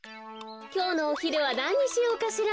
きょうのおひるはなんにしようかしら。